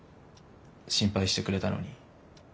心配してくれたのに。